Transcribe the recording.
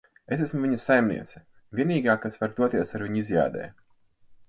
Es esmu viņa saimniece. Vienīgā, kas var doties ar viņu izjādē.